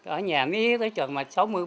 ở nhà mới tới chừng sáu mươi ba á